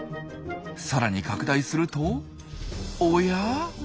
さらに拡大するとおや？